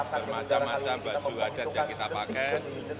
bermacam macam baju adat yang kita pakai